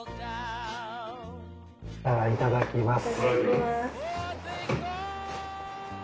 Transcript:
いただきます。